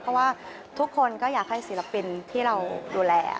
เพราะว่าทุกคนก็อยากให้ศิลปินที่เราดูแล